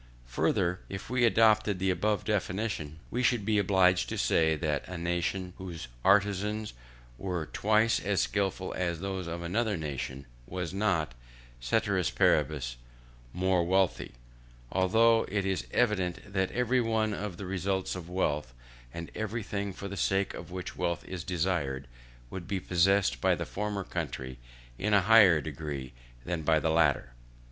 Further, if we adopted the above definition, we should be obliged to say that a nation whose artisans were twice as skilful as those of another nation, was not, ceteris paribus, more wealthy; although it is evident that every one of the results of wealth, and everything for the sake of which wealth is desired, would be possessed by the former country in a higher degree than by the latter.